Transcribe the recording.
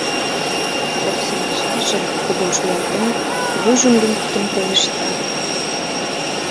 Оксин ачаже, кугун шӱлалтен, вуйжым лӱҥгыктен пелешта: